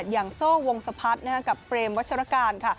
อย่างโซ่วงสะพัดกับเฟรมวัชรการ